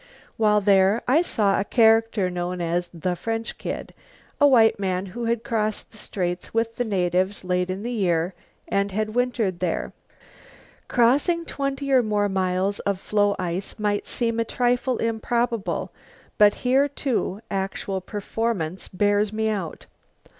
While there I saw a character known as the French Kid, a white man who had crossed the Straits with the natives late in the year and had wintered there. Crossing twenty or more miles of floe ice might seem a trifle improbable but here, too, actual performance bears me out.